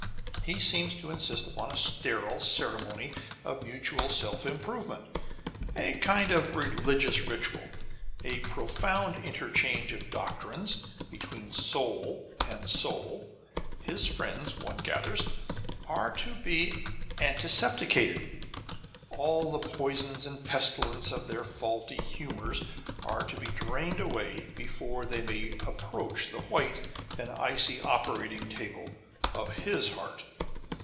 He seems to insist upon a sterile ceremony of mutual self improvement, a kind of religious ritual, a profound interchange of doctrines between soul and soul. His friends (one gathers) are to be antisepticated, all the poisons and pestilence of their faulty humours are to be drained away before they may approach the white and icy operating table of his heart.